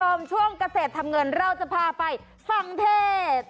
ช่วงเกษตรทำเงินเราจะพาไปฟังเทศ